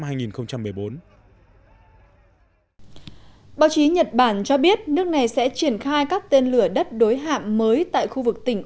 báo chí nhật bản cho biết nước này sẽ triển khai các tên lửa đất đối hạm mới tại khu vực tỉnh